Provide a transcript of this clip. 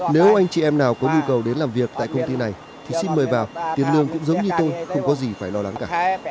nếu anh chị em nào có nhu cầu đến làm việc tại công ty này thì xin mời vào tiền lương cũng giống như tôi không có gì phải lo lắng cả